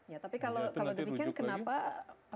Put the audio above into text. ya tapi kalau demikian kenapa